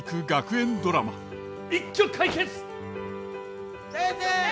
一挙解決！